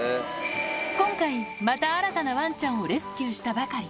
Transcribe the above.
今回、また新たなワンちゃんをレスキューしたばかり。